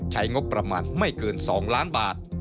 ใช้งบประมาณไม่เกิน๒ล้านบาท